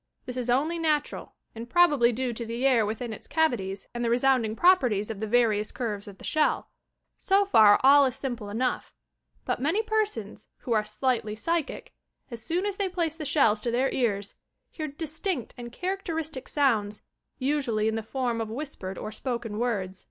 This is only natural and prob ably due to the air within its cavities and the resound ing properties of the various curves of the shell. So far all is simple enough, but many persons, who are slightly psychic, as soon as they place the shells to their ears, bear distinct and characteristic sounds, usually in the form of whispered or spoken words.